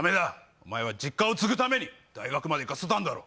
おまえは実家を継ぐために大学まで行かせたんだろう！